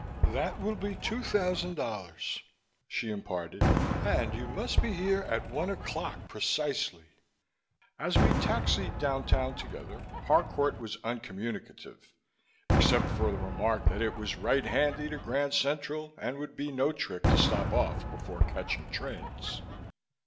"That will be two thousand dollars," she imparted, "and you must be here at one o'clock precisely." As we taxied downtown together, Harcourt was uncommunicative, except for the remark that it was right handy to Grand Central and would be no trick to stop off before catching trains.